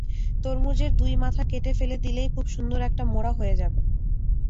তরমুজের দুই মাথা কেটে ফেলে দিলেই খুব সুন্দর একটা মোড়া হয়ে যাবে।